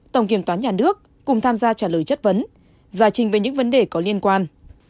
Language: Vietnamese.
tổng kiểm toán nhà nước cùng tham gia trả lời chất vấn giải trình về những vấn đề có liên quan